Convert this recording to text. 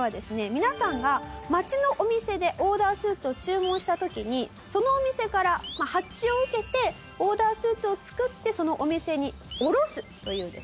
皆さんが町のお店でオーダースーツを注文した時にそのお店から発注を受けてオーダースーツを作ってそのお店に卸すというですね